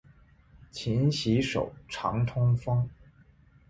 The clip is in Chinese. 勤洗手，常通风。